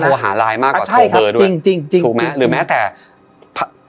ที่โทรหาลายมากกว่าโทรเบอร์ด้วยถูกไหมหรือแม้แต่ใช่